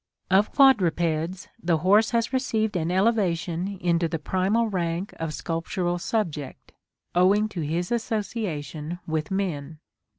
Of quadrupeds the horse has received an elevation into the primal rank of sculptural subject, owing to his association with men.